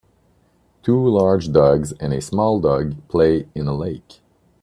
Two large dogs and a small dog play in a lake.